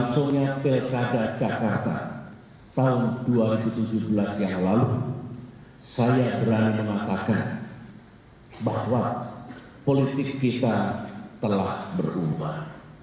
langsungnya pilkada jakarta tahun dua ribu tujuh belas yang lalu saya berani mengatakan bahwa politik kita telah berubah